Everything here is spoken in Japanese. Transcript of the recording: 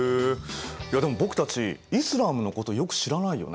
いやでも僕たちイスラームのことよく知らないよね。